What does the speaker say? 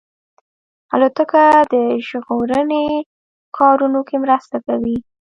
الوتکه د ژغورنې کارونو کې مرسته کوي.